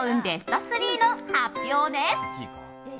ベスト３の発表です。